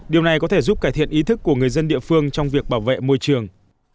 điều này có thể giúp cải thiện ý thức của người dân địa phương trong việc bảo vệ môi trường